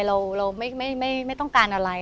เราไม่ต้องการอะไร